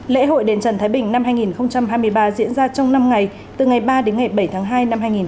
lễ hội đền trần thái bình năm hai nghìn hai mươi ba diễn ra trong năm ngày từ ngày ba đến ngày bảy tháng hai